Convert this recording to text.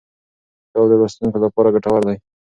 کتاب د لوستونکو لپاره ګټور دی.